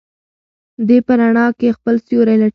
دی په رڼا کې خپل سیوری لټوي.